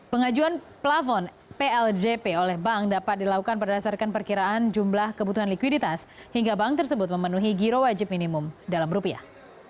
pengajuan plafon pljp oleh bank dapat dilakukan berdasarkan perkiraan jumlah kebutuhan likuiditas hingga bank tersebut memenuhi giro wajib minimum dalam rupiah